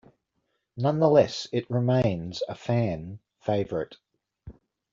Nonetheless, it remains a fan favorite.